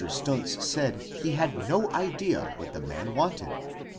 Stuntz said he had no idea what the man wanted.